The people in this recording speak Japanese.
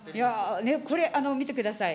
いや、これ、見てください。